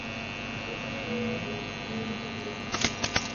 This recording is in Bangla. প্রোটেষ্টাণ্ট ধর্ম এই ভাবটিই আনিতে চেষ্টা করিয়াছে।